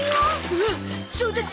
おおそうだった！